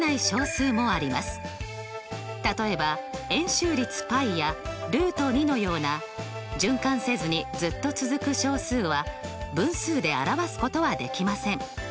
例えば円周率πやのような循環せずにずっと続く小数は分数で表すことはできません。